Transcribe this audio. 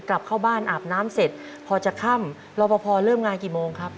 กลับเข้าบ้านอาบน้ำเสร็จพอจะค่ำรอปภเริ่มงานกี่โมงครับ